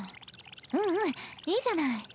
うんうんいいじゃない。